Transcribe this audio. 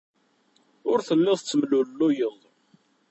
Ur telliḍ tettemlelluyeḍ.